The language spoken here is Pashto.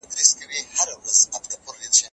د دلارام لویه لاره تل له لاریو ډکه وي